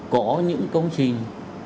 có những công trình